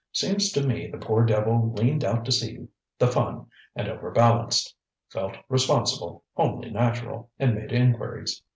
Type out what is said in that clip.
Seems to me the poor devil leaned out to see the fun and overbalanced. Felt responsible, only natural, and made inquiries.